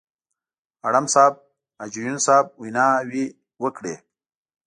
اړم صاحب، حاجي یون صاحب ویناوې وکړې.